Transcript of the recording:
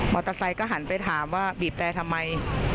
อเตอร์ไซค์ก็หันไปถามว่าบีบแต่ทำไม